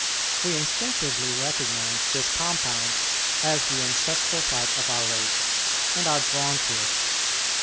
We instinctively recognize this compound as the ancestral type of our race, and are drawn to it.